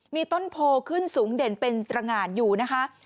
มีต้นโพขึ้นสูงเด่นเป็นตรงานอยู่นะคะ